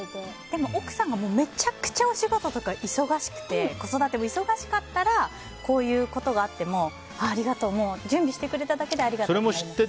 でも、奥様もめちゃくちゃお仕事とか忙しくて子育ても忙しかったらこういうことがあっても準備してくれただけでありがとうって。